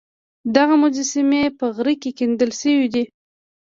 دغه مجسمې په غره کې کیندل شوې وې